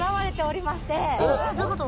どういうこと？